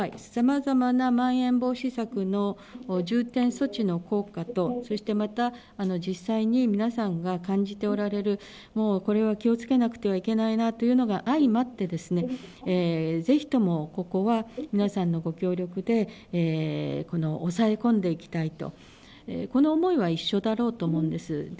さまざまなまん延防止策の重点措置の効果と、そしてまた、実際に皆さんが感じておられる、もうこれは、気をつけなくてはいけないなというのが相まってですね、ぜひともここは、皆さんのご協力で、これを抑え込んでいきたいと、この思いは一緒だろうと思うんです。